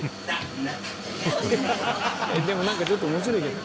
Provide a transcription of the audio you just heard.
「でもなんかちょっと面白いけど」